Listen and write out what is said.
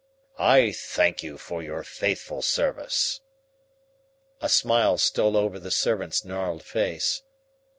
"I thank you for your faithful service." A smile stole over the servant's gnarled face.